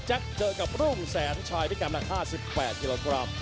แจ็คเดินกับรุ่งแสนชัยพี่กำลัง๕๘กิโลกรัม